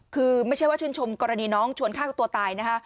คือไม่ใช่ว่าชื่นชมกรณีน้องชวนฆ่าตัวตายนะคะ